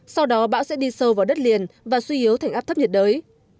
sau đó bão sẽ đi sâu vào đất liền và suy yếu thành áp thấp nhiệt đới